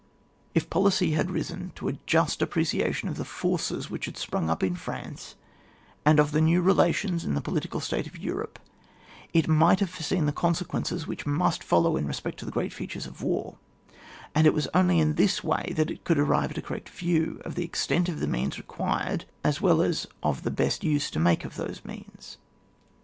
If policy had risen to a just appre ciation of the forces which had sprung up in France, and of the new relations in the political state of Europe, it might have foreseen the consequences, which must follow in respect to the great features of war, and it was only in this way that it could anive at a correct view of the extent of the means required as well as of the best use to make of those means.